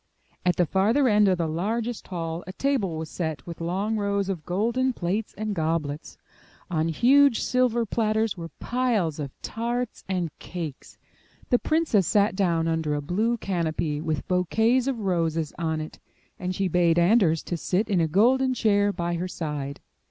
At the farther end of the largest hall a table was set with long rows of golden plates and goblets. On huge silver platters were piles of tarts and cakes. The princess sat down under a blue canopy with bouquets of roses on it; and she bade Anders to sit in a golden chair by her side.